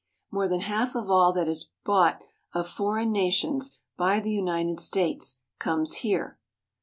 More than half of all that is bought of foreign nations by the United States comes here.